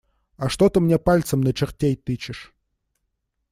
А что ты мне пальцем на чертей тычешь?